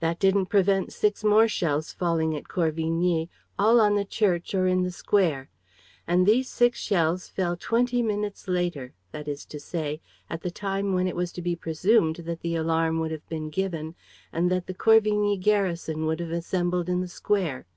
"That didn't prevent six more shells falling at Corvigny, all on the church or in the square. And these six shells fell twenty minutes later, that is to say, at the time when it was to be presumed that the alarm would have been given and that the Corvigny garrison would have assembled in the square.